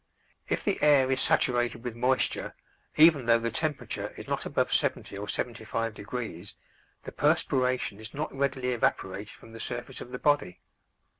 If the air is saturated with moisture, even though the temperature is not above 70 or 75 degrees, the perspiration is not readily evaporated from the surface of the body.